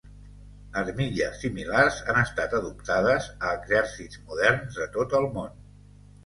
Armilles similars han estat adoptades a exèrcits moderns de tot el món.